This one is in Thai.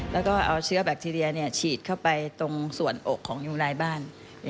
แล้วก็เอาเชื้อแบคทีเรียฉีดเข้าไปตรงส่วนอกของยูไนบ้าน